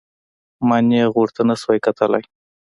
ما نېغ ورته نسو کتلى.